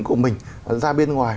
của mình ra bên ngoài